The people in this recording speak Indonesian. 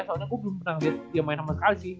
soalnya gua belum pernah liat dia main sama khaji